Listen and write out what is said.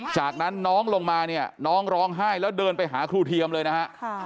จากนั้นน้องลงมาเนี่ยน้องร้องไห้แล้วเดินไปหาครูเทียมเลยนะฮะ